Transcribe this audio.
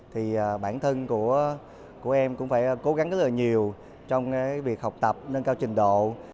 thì bản thân của em cũng phải cố gắng rất là nhiều trong việc học tập nâng cao trình độ